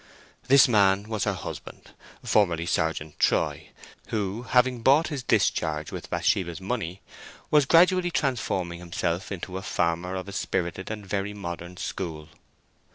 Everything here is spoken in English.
This man was her husband, formerly Sergeant Troy, who, having bought his discharge with Bathsheba's money, was gradually transforming himself into a farmer of a spirited and very modern school.